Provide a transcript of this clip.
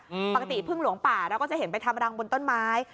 ปกติพึ่งหลวงป่าเราก็จะเห็นไปทำรังบนต้นไม้